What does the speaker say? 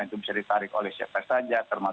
itu bisa ditarik oleh siapa saja